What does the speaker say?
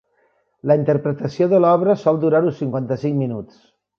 La interpretació de l'obra sol durar uns cinquanta-cinc minuts.